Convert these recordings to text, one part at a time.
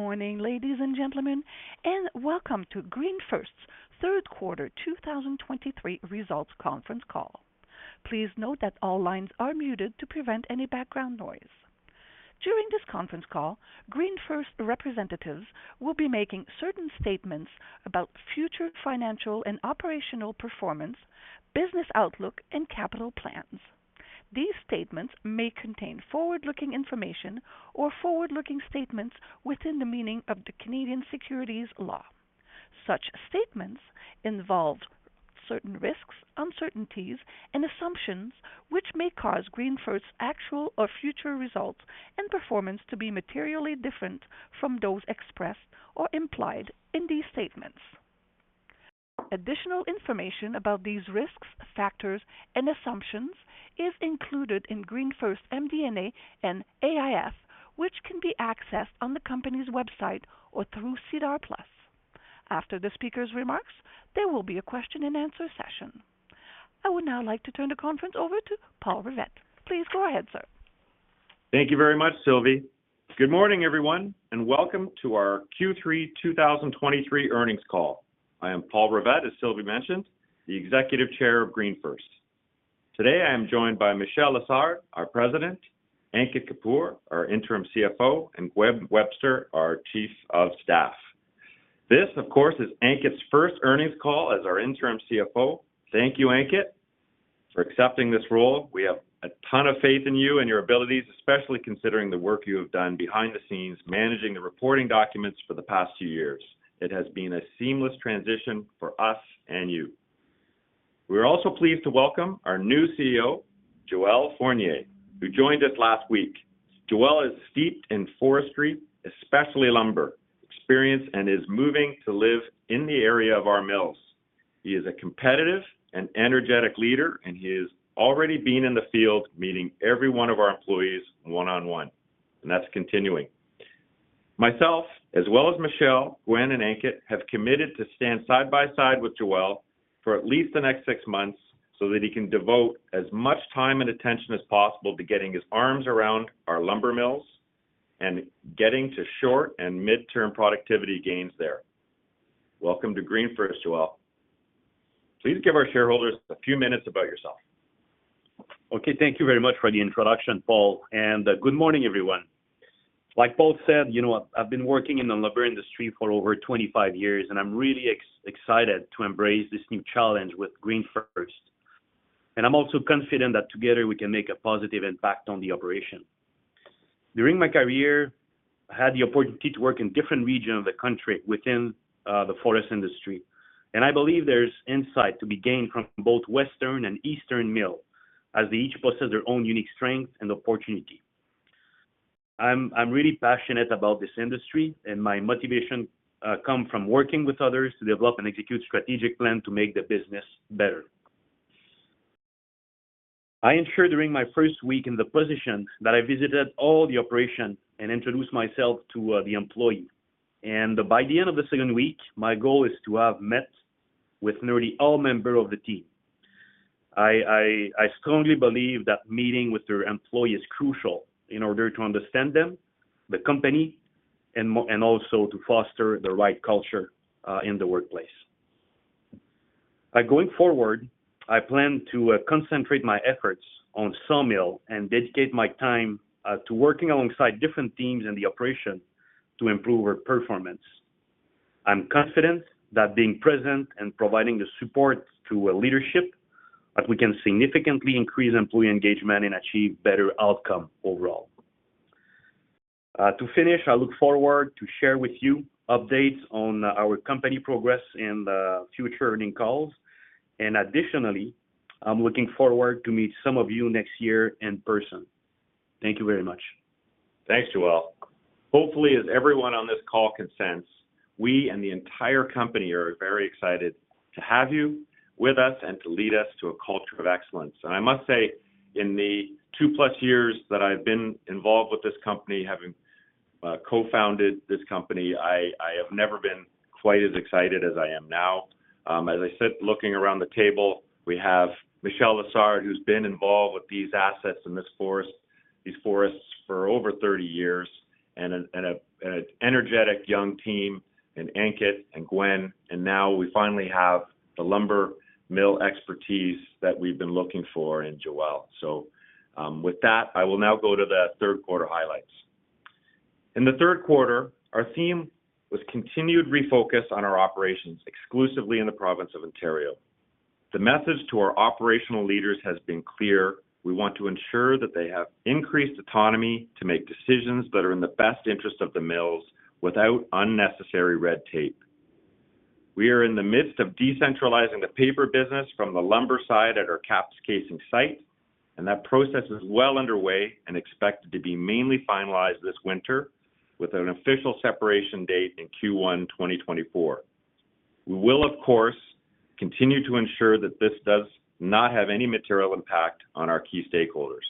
Good morning, ladies and gentlemen, and welcome to GreenFirst's third quarter 2023 results conference call. Please note that all lines are muted to prevent any background noise. During this conference call, GreenFirst representatives will be making certain statements about future financial and operational performance, business outlook, and capital plans. These statements may contain forward-looking information or forward-looking statements within the meaning of the Canadian securities law. Such statements involve certain risks, uncertainties, and assumptions which may cause GreenFirst's actual or future results and performance to be materially different from those expressed or implied in these statements. Additional information about these risks, factors, and assumptions is included in GreenFirst's MD&A and AIF, which can be accessed on the company's website or through SEDAR+. After the speaker's remarks, there will be a question-and-answer session. I would now like to turn the conference over to Paul Rivett. Please go ahead, sir. Thank you very much, Sylvie. Good morning, everyone, and welcome to our Q3 2023 Earnings Call. I am Paul Rivett, as Sylvie mentioned, the Executive Chair of GreenFirst. Today, I am joined by Michel Lessard, our President, Ankit Kapoor, our Interim CFO, and Gwen Webster, our Chief of Staff. This, of course, is Ankit's first earnings call as our Interim CFO. Thank you, Ankit, for accepting this role. We have a ton of faith in you and your abilities, especially considering the work you have done behind the scenes, managing the reporting documents for the past two years. It has been a seamless transition for us and you. We are also pleased to welcome our new CEO, Joel Fournier, who joined us last week. Joel is steeped in forestry, especially lumber, experience, and is moving to live in the area of our mills. He is a competitive and energetic leader, and he has already been in the field, meeting every one of our employees one-on-one, and that's continuing. Myself, as well as Michel, Gwen, and Ankit, have committed to stand side by side with Joel for at least the next six months, so that he can devote as much time and attention as possible to getting his arms around our lumber mills and getting to short- and mid-term productivity gains there. Welcome to GreenFirst, Joel. Please give our shareholders a few minutes about yourself. Okay. Thank you very much for the introduction, Paul, and good morning, everyone. Like Paul said, you know what? I've been working in the lumber industry for over 25 years, and I'm really excited to embrace this new challenge with GreenFirst. And I'm also confident that together, we can make a positive impact on the operation. During my career, I had the opportunity to work in different regions of the country within the forest industry. And I believe there's insight to be gained from both Western and Eastern mills, as they each possess their own unique strengths and opportunity. I'm really passionate about this industry, and my motivation come from working with others to develop and execute strategic plan to make the business better. I ensure during my first week in the position, that I visited all the operation and introduced myself to the employees. By the end of the second week, my goal is to have met with nearly all members of the team. I strongly believe that meeting with your employee is crucial in order to understand them, the company, and also to foster the right culture in the workplace. By going forward, I plan to concentrate my efforts on sawmill and dedicate my time to working alongside different teams in the operation to improve our performance. I'm confident that being present and providing the support to leadership, that we can significantly increase employee engagement and achieve better outcome overall. To finish, I look forward to share with you updates on our company progress in the future earnings calls. Additionally, I'm looking forward to meet some of you next year in person. Thank you very much. Thanks, Joel. Hopefully, as everyone on this call can sense, we and the entire company are very excited to have you with us and to lead us to a culture of excellence. And I must say, in the two-plus years that I've been involved with this company, having co-founded this company, I have never been quite as excited as I am now. As I said, looking around the table, we have Michel Lessard, who's been involved with these assets and this forest, these forests for over 30 years, and an energetic young team in Ankit and Gwen, and now we finally have the lumber mill expertise that we've been looking for in Joel. So, with that, I will now go to the third quarter highlights. In the third quarter, our theme was continued refocus on our operations exclusively in the province of Ontario. The message to our operational leaders has been clear: We want to ensure that they have increased autonomy to make decisions that are in the best interest of the mills without unnecessary red tape. We are in the midst of decentralizing the paper business from the lumber side at our Kapuskasing site, and that process is well underway and expected to be mainly finalized this winter, with an official separation date in Q1 2024. We will, of course, continue to ensure that this does not have any material impact on our key stakeholders.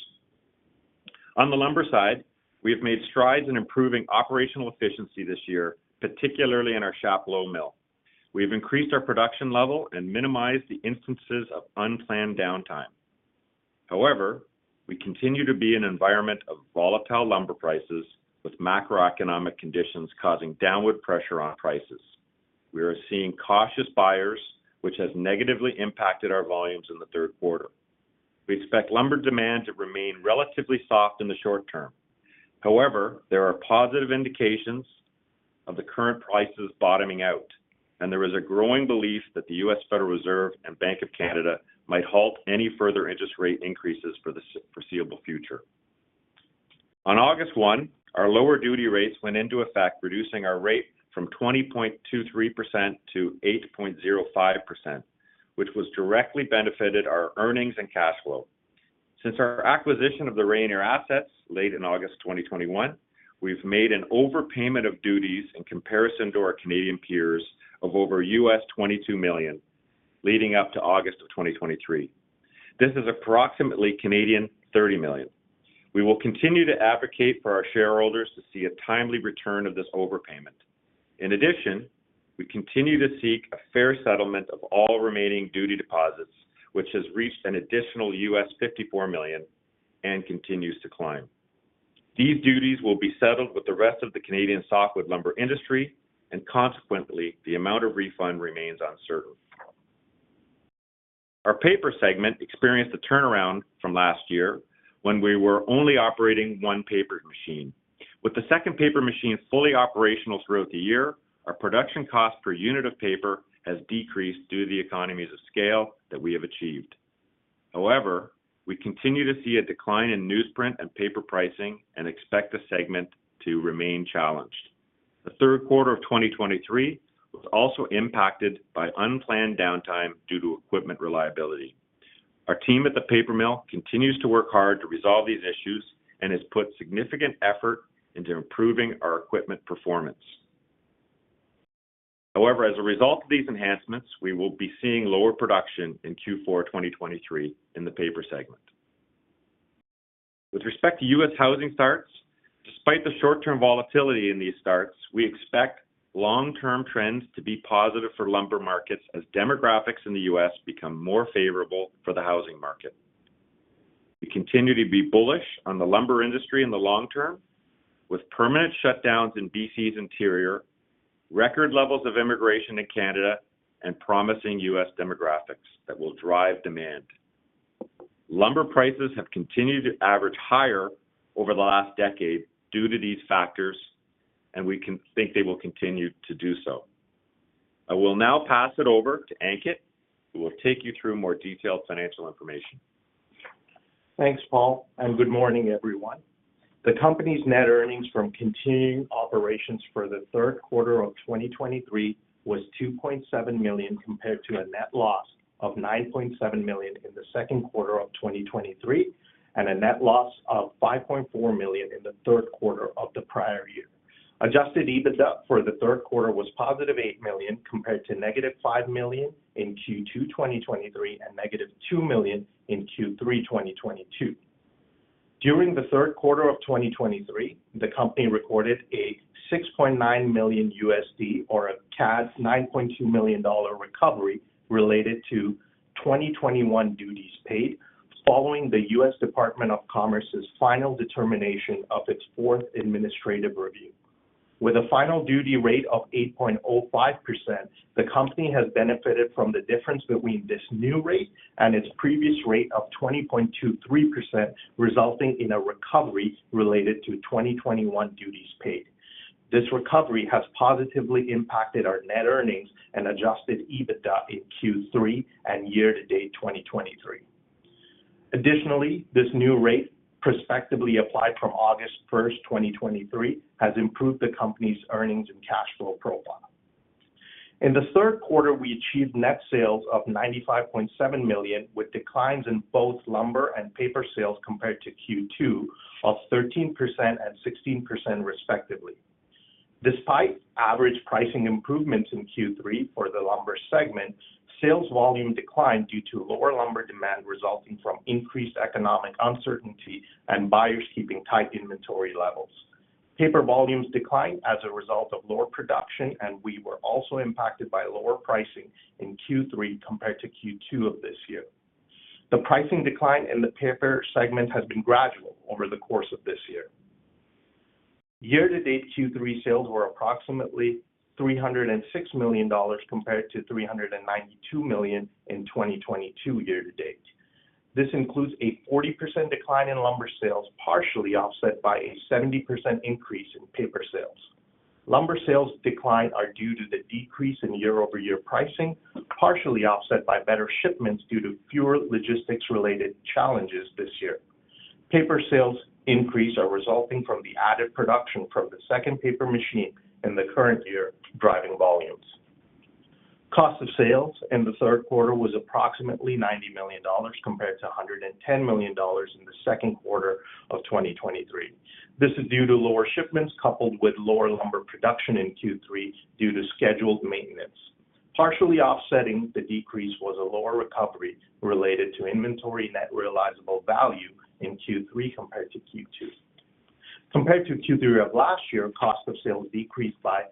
On the lumber side, we have made strides in improving operational efficiency this year, particularly in our Chapleau mill. We've increased our production level and minimized the instances of unplanned downtime.... However, we continue to be in an environment of volatile lumber prices, with macroeconomic conditions causing downward pressure on prices. We are seeing cautious buyers, which has negatively impacted our volumes in the third quarter. We expect lumber demand to remain relatively soft in the short term. However, there are positive indications of the current prices bottoming out, and there is a growing belief that the U.S. Federal Reserve and Bank of Canada might halt any further interest rate increases for the foreseeable future. On August 1, our lower duty rates went into effect, reducing our rate from 20.23% to 8.05%, which was directly benefited our earnings and cash flow. Since our acquisition of the Rayonier assets late in August 2021, we've made an overpayment of duties in comparison to our Canadian peers of over $22 million, leading up to August of 2023. This is approximately 30 million. We will continue to advocate for our shareholders to see a timely return of this overpayment. In addition, we continue to seek a fair settlement of all remaining duty deposits, which has reached an additional $54 million and continues to climb. These duties will be settled with the rest of the Canadian softwood lumber industry, and consequently, the amount of refund remains uncertain. Our paper segment experienced a turnaround from last year when we were only operating one paper machine. With the second paper machine fully operational throughout the year, our production cost per unit of paper has decreased due to the economies of scale that we have achieved. However, we continue to see a decline in newsprint and paper pricing and expect the segment to remain challenged. The third quarter of 2023 was also impacted by unplanned downtime due to equipment reliability. Our team at the paper mill continues to work hard to resolve these issues and has put significant effort into improving our equipment performance. However, as a result of these enhancements, we will be seeing lower production in Q4 2023 in the paper segment. With respect to U.S. housing starts, despite the short-term volatility in these starts, we expect long-term trends to be positive for lumber markets as demographics in the U.S. become more favorable for the housing market. We continue to be bullish on the lumber industry in the long term, with permanent shutdowns in B.C.'s interior, record levels of immigration in Canada, and promising U.S. demographics that will drive demand. Lumber prices have continued to average higher over the last decade due to these factors, and we can think they will continue to do so. I will now pass it over to Ankit, who will take you through more detailed financial information. Thanks, Paul, and good morning, everyone. The company's net earnings from continuing operations for the third quarter of 2023 was 2.7 million, compared to a net loss of 9.7 million in the second quarter of 2023, and a net loss of 5.4 million in the third quarter of the prior year. Adjusted EBITDA for the third quarter was +8 million, compared to -5 million in Q2 2023 and -2 million in Q3 2022. During the third quarter of 2023, the company recorded a $6.9 million or 9.2 million dollar recovery related to 2021 duties paid, following the U.S. Department of Commerce's final determination of its fourth administrative review. With a final duty rate of 8.05%, the company has benefited from the difference between this new rate and its previous rate of 20.23%, resulting in a recovery related to 2021 duties paid. This recovery has positively impacted our net earnings and Adjusted EBITDA in Q3 and year-to-date 2023. Additionally, this new rate, prospectively applied from August 1st, 2023, has improved the company's earnings and cash flow profile. In the third quarter, we achieved net sales of 95.7 million, with declines in both lumber and paper sales compared to Q2 of 13% and 16% respectively. Despite average pricing improvements in Q3 for the lumber segment, sales volume declined due to lower lumber demand, resulting from increased economic uncertainty and buyers keeping tight inventory levels. Paper volumes declined as a result of lower production, and we were also impacted by lower pricing in Q3 compared to Q2 of this year. The pricing decline in the paper segment has been gradual over the course of this year. Year-to-date, Q3 sales were approximately 306 million dollars, compared to 392 million in 2022 year-to-date. This includes a 40% decline in lumber sales, partially offset by a 70% increase in paper sales. Lumber sales decline is due to the decrease in year-over-year pricing, partially offset by better shipments due to fewer logistics-related challenges this year. Paper sales increase is resulting from the added production from the second paper machine in the current year, driving volumes. Cost of sales in the third quarter was approximately 90 million dollars compared to 110 million dollars in the second quarter of 2023. This is due to lower shipments, coupled with lower lumber production in Q3 due to scheduled maintenance. Partially offsetting the decrease was a lower recovery related to inventory Net Realizable Value in Q3 compared to Q2.... Compared to Q3 of last year, cost of sales decreased by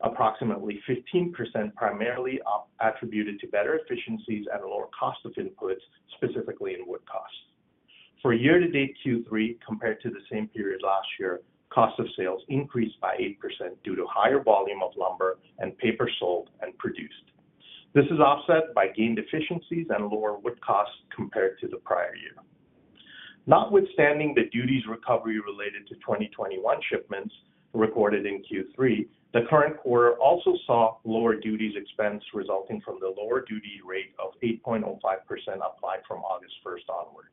approximately 15%, primarily attributed to better efficiencies and lower cost of inputs, specifically in wood costs. For year-to-date Q3, compared to the same period last year, cost of sales increased by 8% due to higher volume of lumber and paper sold and produced. This is offset by gained efficiencies and lower wood costs compared to the prior year. Notwithstanding the duties recovery related to 2021 shipments recorded in Q3, the current quarter also saw lower duties expense resulting from the lower duty rate of 8.05% applied from August 1st onward.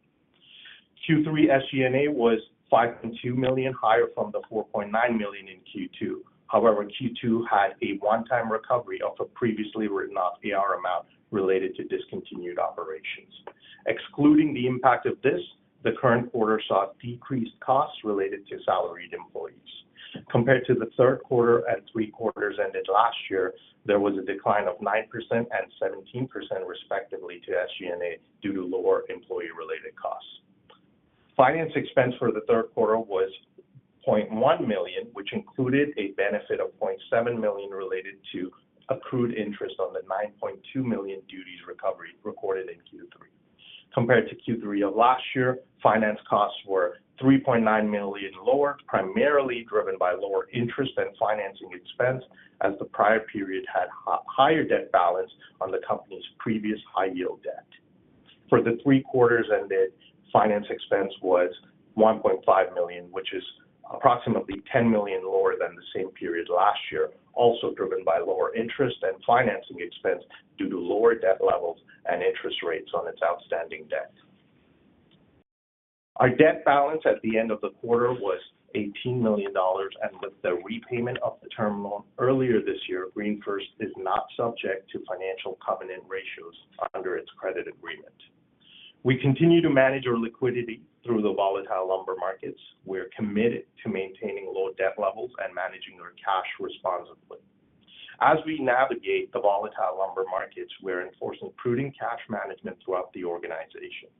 Q3 SG&A was 5.2 million, higher from the 4.9 million in Q2. However, Q2 had a one-time recovery of a previously written-off AR amount related to discontinued operations. Excluding the impact of this, the current quarter saw decreased costs related to salaried employees. Compared to the third quarter and three quarters ended last year, there was a decline of 9% and 17% respectively to SG&A due to lower employee-related costs. Finance expense for the third quarter was 0.1 million, which included a benefit of 0.7 million related to accrued interest on the 9.2 million duties recovery recorded in Q3. Compared to Q3 of last year, finance costs were 3.9 million lower, primarily driven by lower interest and financing expense, as the prior period had higher debt balance on the company's previous high-yield debt. For the three quarters ended, finance expense was 1.5 million, which is approximately 10 million lower than the same period last year, also driven by lower interest and financing expense due to lower debt levels and interest rates on its outstanding debt. Our debt balance at the end of the quarter was 18 million dollars, and with the repayment of the term loan earlier this year, GreenFirst is not subject to financial covenant ratios under its credit agreement. We continue to manage our liquidity through the volatile lumber markets. We're committed to maintaining low debt levels and managing our cash responsibly. As we navigate the volatile lumber markets, we're enforcing prudent cash management throughout the organization.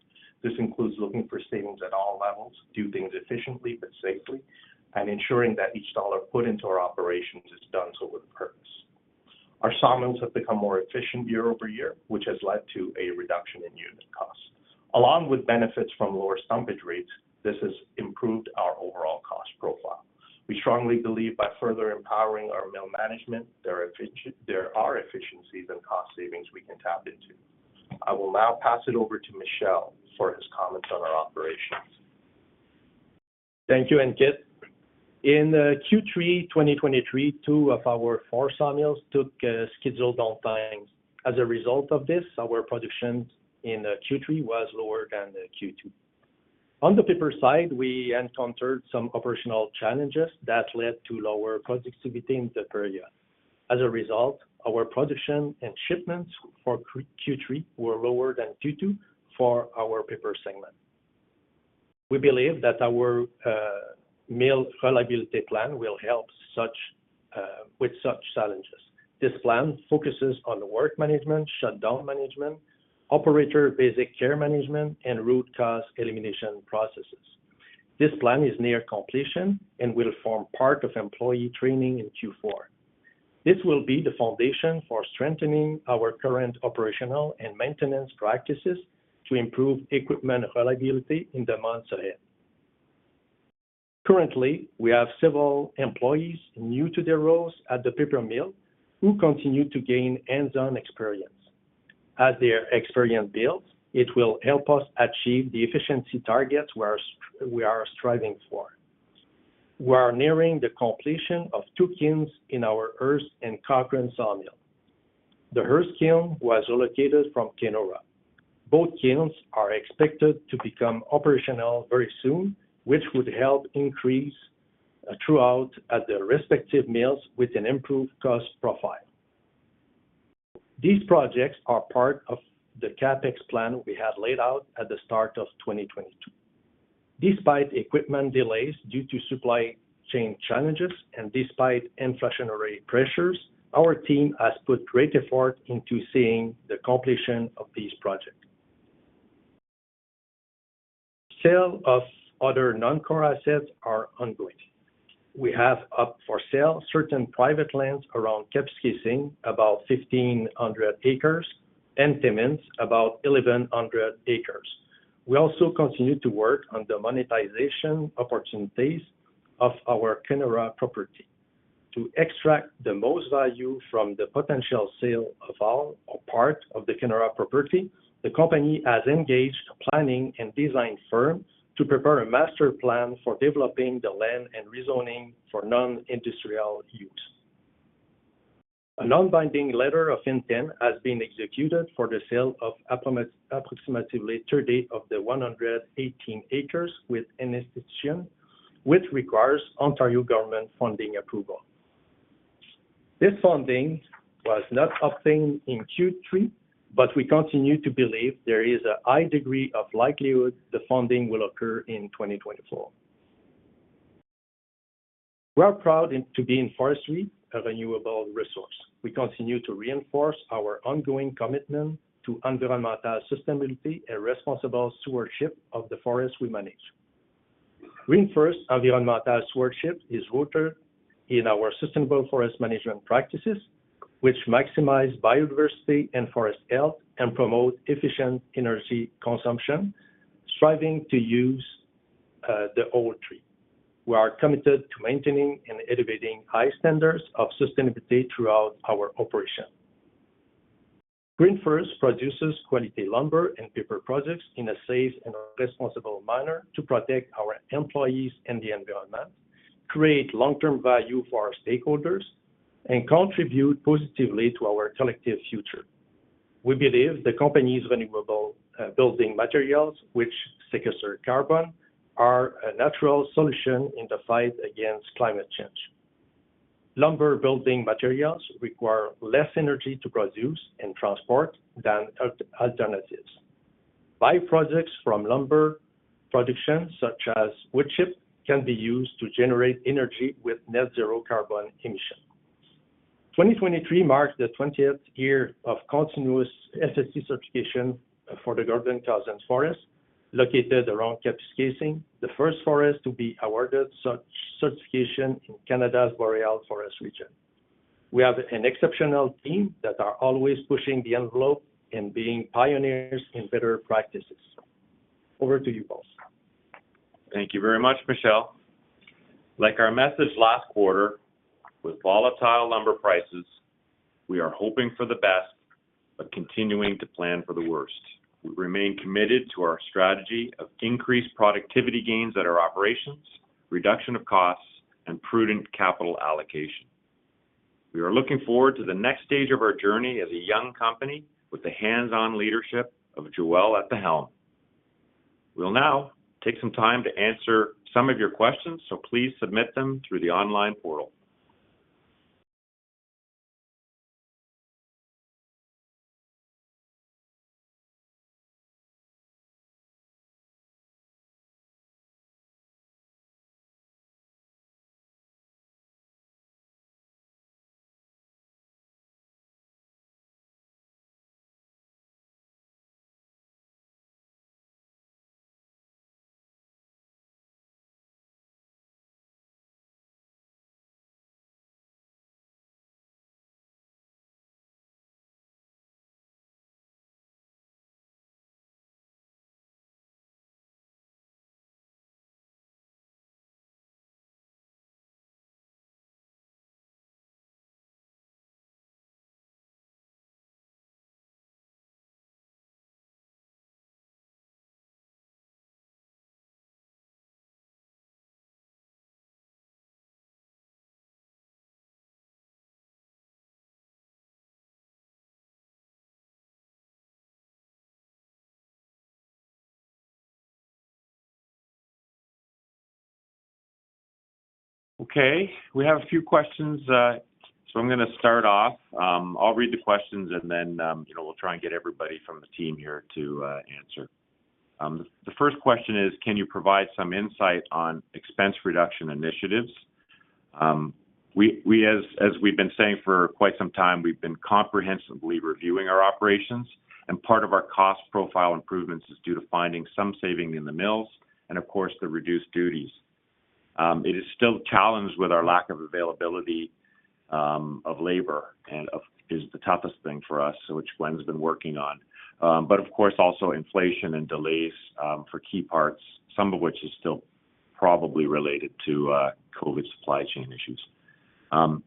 This includes looking for savings at all levels, do things efficiently but safely, and ensuring that each dollar put into our operations is done so with purpose. Our sawmills have become more efficient year-over-year, which has led to a reduction in unit costs. Along with benefits from lower stumpage rates, this has improved our overall cost profile. We strongly believe by further empowering our mill management, there are efficiencies and cost savings we can tap into. I will now pass it over to Michel for his comments on our operations. Thank you, Ankit. In Q3 2023, two of our four sawmills took scheduled downtimes. As a result of this, our production in Q3 was lower than the Q2. On the paper side, we encountered some operational challenges that led to lower productivity in the period. As a result, our production and shipments for Q3 were lower than Q2 for our paper segment. We believe that our mill reliability plan will help with such challenges. This plan focuses on the work management, shutdown management, operator basic care management, and root cause elimination processes. This plan is near completion and will form part of employee training in Q4. This will be the foundation for strengthening our current operational and maintenance practices to improve equipment reliability in the months ahead. Currently, we have several employees, new to their roles at the paper mill, who continue to gain hands-on experience. As their experience builds, it will help us achieve the efficiency targets we are striving for. We are nearing the completion of two kilns in our Hearst and Cochrane sawmill. The Hearst kiln was relocated from Kenora. Both kilns are expected to become operational very soon, which would help increase throughput at the respective mills with an improved cost profile. These projects are part of the CapEx plan we had laid out at the start of 2022. Despite equipment delays due to supply chain challenges and despite inflationary pressures, our team has put great effort into seeing the completion of these projects. Sale of other non-core assets are ongoing. We have up for sale certain private lands around Kapuskasing, about 1,500 acres, and Timmins, about 1,100 acres. We also continue to work on the monetization opportunities of our Kenora property. To extract the most value from the potential sale of all or part of the Kenora property, the company has engaged a planning and design firm to prepare a master plan for developing the land and rezoning for non-industrial use. A non-binding letter of intent has been executed for the sale of approximately 30 of the 118 acres with an institution, which requires Ontario government funding approval. This funding was not obtained in Q3, but we continue to believe there is a high degree of likelihood the funding will occur in 2024. We are proud to be in forestry, a renewable resource. We continue to reinforce our ongoing commitment to environmental sustainability and responsible stewardship of the forest we manage. GreenFirst environmental stewardship is rooted in our sustainable forest management practices, which maximize biodiversity and forest health, and promote efficient energy consumption, striving to use the whole tree. We are committed to maintaining and elevating high standards of sustainability throughout our operation. GreenFirst produces quality lumber and paper products in a safe and responsible manner to protect our employees and the environment, create long-term value for our stakeholders, and contribute positively to our collective future. We believe the company's renewable building materials, which sequester carbon, are a natural solution in the fight against climate change. Lumber building materials require less energy to produce and transport than alternatives. By-products from lumber production, such as wood chip, can be used to generate energy with net zero carbon emission. 2023 marked the 20th year of continuous FSC certification for the Gordon Cosens Forest, located around Kapuskasing, the first forest to be awarded such certification in Canada's boreal forest region. We have an exceptional team that are always pushing the envelope and being pioneers in better practices. Over to you, Paul. Thank you very much, Michel. Like our message last quarter, with volatile lumber prices, we are hoping for the best, but continuing to plan for the worst. We remain committed to our strategy of increased productivity gains at our operations, reduction of costs, and prudent capital allocation. We are looking forward to the next stage of our journey as a young company, with the hands-on leadership of Joel at the helm. We'll now take some time to answer some of your questions, so please submit them through the online portal. Okay, we have a few questions, so I'm gonna start off. I'll read the questions, and then, you know, we'll try and get everybody from the team here to answer. The first question is: Can you provide some insight on expense reduction initiatives? We, as we've been saying for quite some time, we've been comprehensively reviewing our operations, and part of our cost profile improvements is due to finding some savings in the mills, and of course, the reduced duties. It is still challenged with our lack of availability of labor, and that is the toughest thing for us, so which Gwen has been working on. But of course, also inflation and delays for key parts, some of which is still probably related to COVID supply chain issues.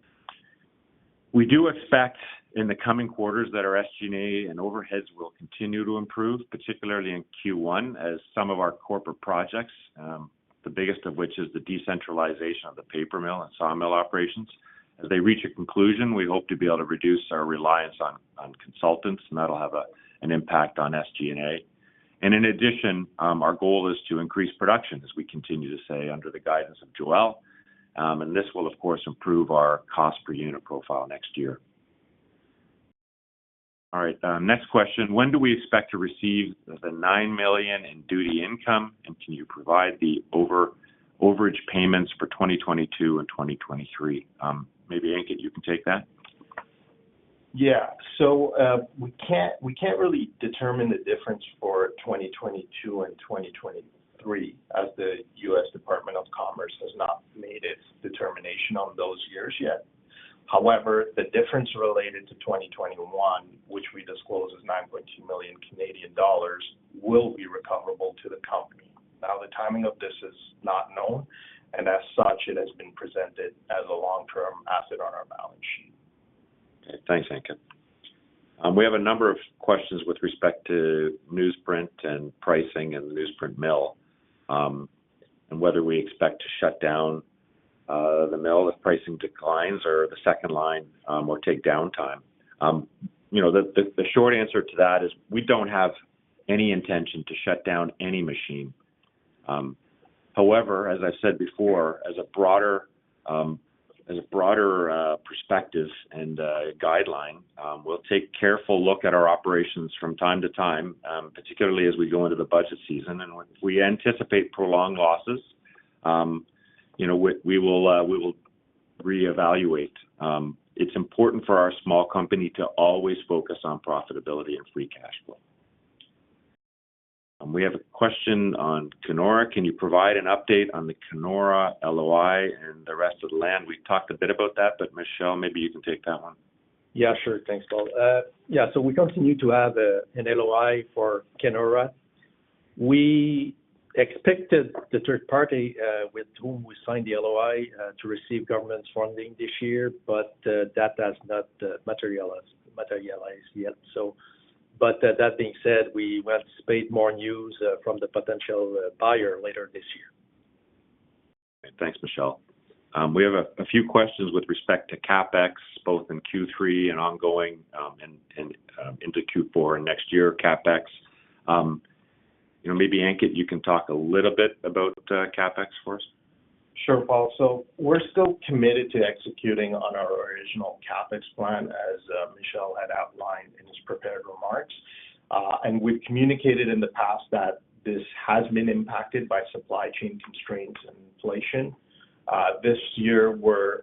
We do expect in the coming quarters that our SG&A and overheads will continue to improve, particularly in Q1, as some of our corporate projects, the biggest of which is the decentralization of the paper mill and sawmill operations. As they reach a conclusion, we hope to be able to reduce our reliance on consultants, and that'll have an impact on SG&A. And in addition, our goal is to increase production, as we continue to say, under the guidance of Joel, and this will, of course, improve our cost per unit profile next year. All right, next question: When do we expect to receive the $9 million in duty income? And can you provide the overage payments for 2022 and 2023? Maybe, Ankit, you can take that. Yeah. So, we can't, we can't really determine the difference for 2022 and 2023, as the U.S. Department of Commerce has not made its determination on those years yet. However, the difference related to 2021, which we disclose as 9.2 million Canadian dollars, will be recoverable to the company. Now, the timing of this is not known, and as such, it has been presented as a long-term asset on our balance sheet. Okay. Thanks, Ankit. We have a number of questions with respect to newsprint, and pricing, and the newsprint mill, and whether we expect to shut down the mill if pricing declines or the second line, or take downtime. You know, the short answer to that is we don't have any intention to shut down any machine. However, as I said before, as a broader perspective and guideline, we'll take careful look at our operations from time to time, particularly as we go into the budget season. And when we anticipate prolonged losses, you know, we will reevaluate. It's important for our small company to always focus on profitability and free cash flow. We have a question on Kenora: Can you provide an update on the Kenora LOI and the rest of the land? We talked a bit about that, but Michel, maybe you can take that one. Yeah, sure. Thanks, Paul. Yeah, so we continue to have an LOI for Kenora. We expected the third party with whom we signed the LOI to receive government funding this year, but that has not materialized yet, so. But that being said, we anticipate more news from the potential buyer later this year. Thanks, Michel. We have a few questions with respect to CapEx, both in Q3 and ongoing, and into Q4 and next year CapEx. You know, maybe, Ankit, you can talk a little bit about CapEx for us. Sure, Paul. So we're still committed to executing on our original CapEx plan, as Michel had outlined in his prepared remarks. And we've communicated in the past that this has been impacted by supply chain constraints and inflation. This year, we're,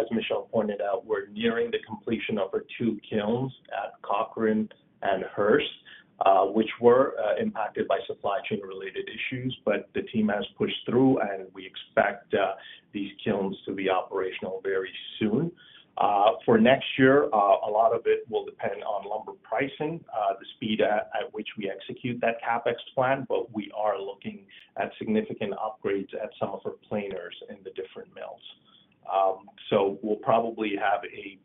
as Michel pointed out, we're nearing the completion of our two kilns at Cochrane and Hearst, which were impacted by supply chain-related issues. But the team has pushed through, and we expect these kilns to be operational very soon. For next year, a lot of it will depend on lumber pricing, the speed at which we execute that CapEx plan, but we are looking at significant upgrades at some of our planers in the different mills. So we'll probably have a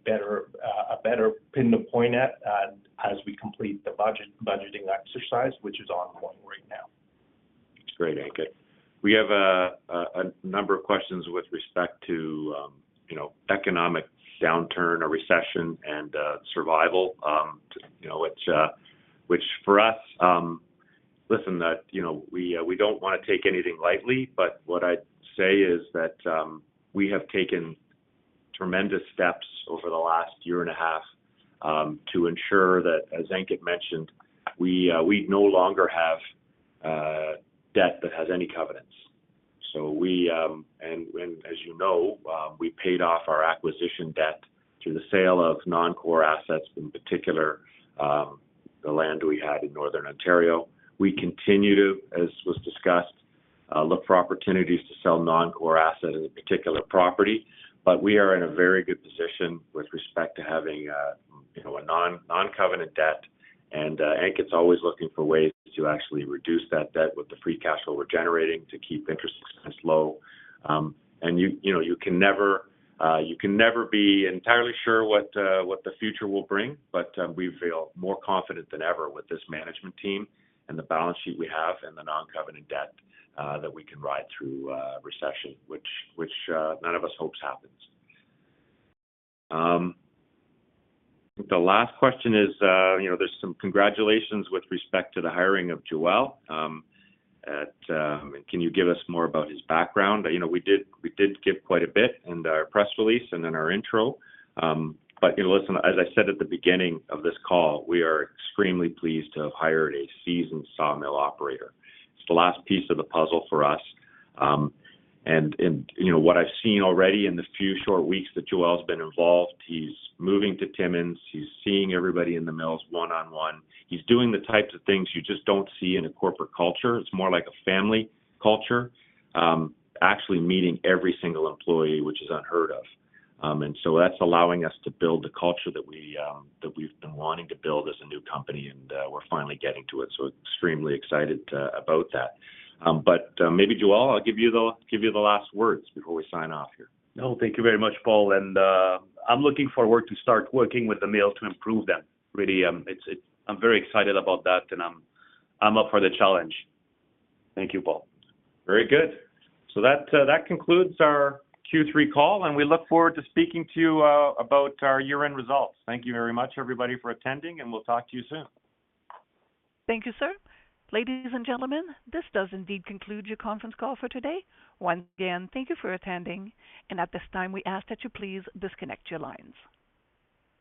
better pin to point at as we complete the budgeting exercise, which is ongoing right now. Great, Ankit. We have a number of questions with respect to, you know, economic downturn or recession and survival. You know, which for us... Listen, you know, we don't want to take anything lightly, but what I'd say is that we have taken tremendous steps over the last year and a half to ensure that, as Ankit mentioned, we no longer have debt that has any covenants. So we... And as you know, we paid off our acquisition debt through the sale of non-core assets, in particular, the land we had in Northern Ontario. We continue, as was discussed, look for opportunities to sell non-core asset, in particular, property. But we are in a very good position with respect to having, you know, a non-covenant debt, and Ankit's always looking for ways to actually reduce that debt with the free cash flow we're generating, to keep interest expense low. And you know, you can never be entirely sure what the future will bring, but we feel more confident than ever with this management team and the balance sheet we have and the non-covenant debt, that we can ride through recession, which none of us hopes happens. The last question is, you know, there's some congratulations with respect to the hiring of Joel. At, can you give us more about his background? You know, we did give quite a bit in our press release and in our intro. You know, listen, as I said at the beginning of this call, we are extremely pleased to have hired a seasoned sawmill operator. It's the last piece of the puzzle for us. You know, what I've seen already in the few short weeks that Joel's been involved, he's moving to Timmins, he's seeing everybody in the mills one-on-one. He's doing the types of things you just don't see in a corporate culture. It's more like a family culture. Actually meeting every single employee, which is unheard of. And so that's allowing us to build the culture that we, that we've been wanting to build as a new company, and we're finally getting to it, so extremely excited about that. But maybe, Joel, I'll give you the last words before we sign off here. No, thank you very much, Paul, and I'm looking forward to start working with the mill to improve them. Really, it's. I'm very excited about that, and I'm up for the challenge. Thank you, Paul. Very good. So that concludes our Q3 call, and we look forward to speaking to you about our year-end results. Thank you very much, everybody, for attending, and we'll talk to you soon. Thank you, sir. Ladies and gentlemen, this does indeed conclude your conference call for today. Once again, thank you for attending, and at this time, we ask that you please disconnect your lines.